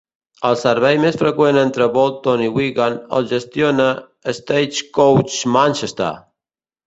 El servei més freqüent entre Bolton i Wigan el gestiona Stagecoach Manchester.